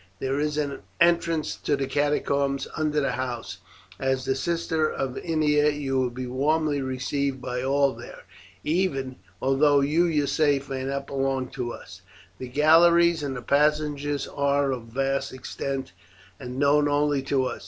There is an entrance to the catacombs under the house. As the sister of Ennia you will be warmly received by all there, even although you yourself may not belong to us. The galleries and passages are of a vast extent and known only to us.